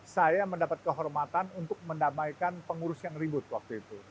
saya mendapat kehormatan untuk mendamaikan pengurus yang ribut waktu itu